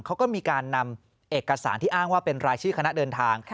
เขาก็มีการนำเอกสารที่อ้างว่าเป็นรายชื่อคณะเดินทาง